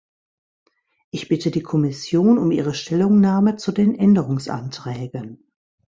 Ich bitte die Kommission um ihre Stellungnahme zu den Änderungsanträgen.